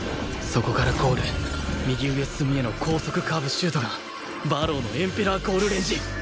そこからゴール右上隅への高速カーブシュートが馬狼のエンペラーゴールレンジ！